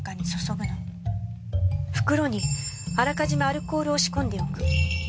袋にあらかじめアルコールを仕込んでおく。